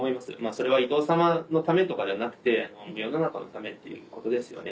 それは伊藤さまのためとかではなくて世の中のためっていうことですよね